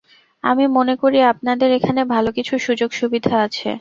আমি মনেকরি আপনাদের এখানে ভালো কিছু সুযোগ-সুবিধা আছে।